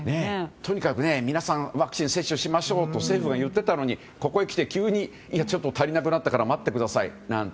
とにかく皆さんワクチン接種しましょうと政府が言っていたのにここにきて急にちょっと足りなくなったから待ってくださいなんて。